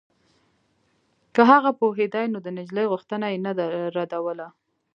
که هغه پوهېدای نو د نجلۍ غوښتنه يې نه ردوله.